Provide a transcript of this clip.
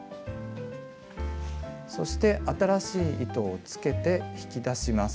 そして新しい糸をつけて引き出します。